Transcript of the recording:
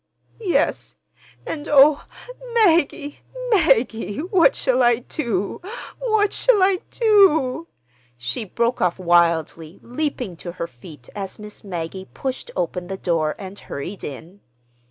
"Yes; and—Oh, Maggie, Maggie, what shall I do? What shall I do?" she broke off wildly, leaping to her feet as Miss Maggie pushed open the door and hurried in.